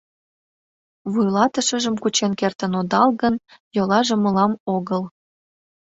Вуйлатышыжым кучен кертын одал гын, йолаже мылам огыл.